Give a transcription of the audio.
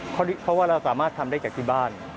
เพราะว่าเราสามารถทำได้จากที่บ้าน